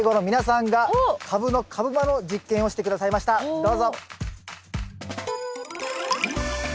どうぞ！